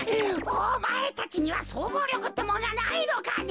おまえたちにはそうぞうりょくってもんがないのかね。